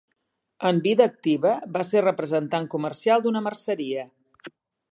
En vida activa, va ser representant comercial d'una merceria.